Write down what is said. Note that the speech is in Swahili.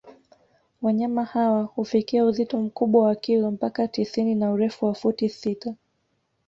Wanyama hawa hufikia uzito mkubwa wa kilo mpaka tisini na urefu wa futi sita